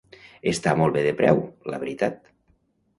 Està molt bé de preu, la veritat.